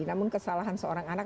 namun kesalahan seorang anak